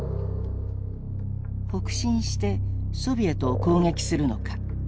北進してソビエトを攻撃するのか。